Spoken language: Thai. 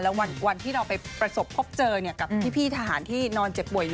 แล้ววันที่เราไปประสบพบเจอกับพี่ทหารที่นอนเจ็บป่วยอยู่